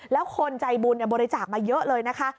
แล้วคนใจบุญบริจาคมาเยอะเลยนะคะ